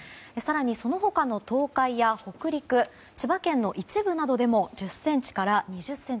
更にそのほかの東海や北陸千葉県の一部などでも１０ｃｍから２０ｃｍ。